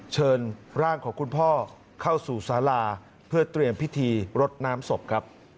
เชิญร่างของคุณพ่อเข้าสู่สาราเพื่อเตรียมพิธีรดน้ำศพครับ